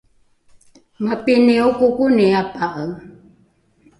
mapini okokoni apa’e?